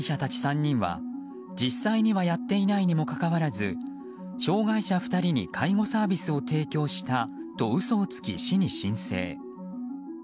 補永容疑者たち３人は実際にはやっていないにもかかわらず障害者２人の介護サービスを提供したと嘘をつき市に申請。